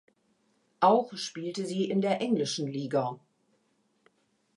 Auch spielte sie in der englischen Liga.